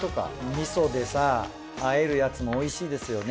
味噌でさあえるやつもおいしいですよね。